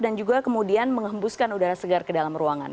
dan juga kemudian mengembuskan udara segar ke dalam ruangan